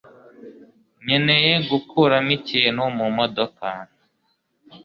nkeneye gukuramo ikintu mumodoka